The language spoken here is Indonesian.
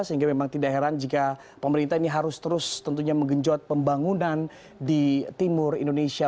sehingga memang tidak heran jika pemerintah ini harus terus tentunya menggenjot pembangunan di timur indonesia